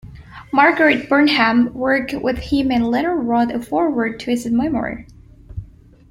Margaret Burnham worked with him and later wrote a foreword to his memoir.